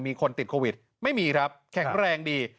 มีคนติดโควิดไม่มีครับแข็งแรงดี